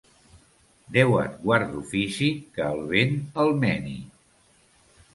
Déu et guard d'ofici que el vent el meni.